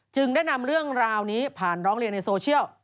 ได้นำเรื่องราวนี้ผ่านร้องเรียนในโซเชียล